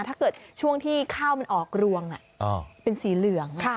ถ้าเกิดช่วงที่ข้าวมันออกรวงเป็นสีเหลือง